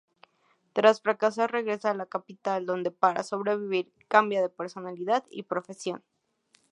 Tras fracasar regresa a la capital donde para sobrevivir, cambia de personalidad y profesión.